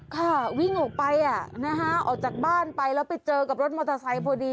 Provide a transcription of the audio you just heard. ค่ะวิ่งออกไปออกจากบ้านไปแล้วไปเจอกับรถมอเตอร์ไซค์พอดี